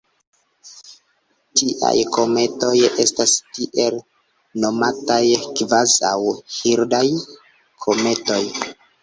Tiaj kometoj estas tiel nomataj kvazaŭ-Hildaj kometoj.